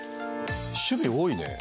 趣味多いね。